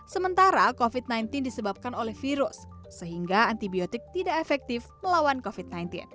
sementara covid sembilan belas disebabkan oleh virus sehingga antibiotik tidak efektif melawan covid sembilan belas